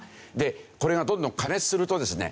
これがどんどん過熱するとですね